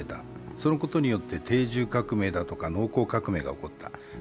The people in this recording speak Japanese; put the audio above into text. それによって定住革命だとか農耕革命が起こった。